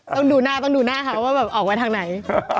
ต้องดูหน้าต้องดูหน้าเขาว่าแบบออกมาทางไหน